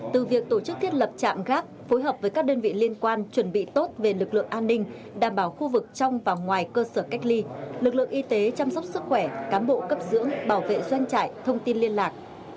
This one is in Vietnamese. từ việc tổ chức thiết lập trạm gác phối hợp với các đơn vị liên quan chuẩn bị tốt về lực lượng an ninh đảm bảo khu vực trong và ngoài cơ sở cách ly lực lượng y tế chăm sóc sức khỏe cán bộ cấp dưỡng bảo vệ doanh trại thông tin liên lạc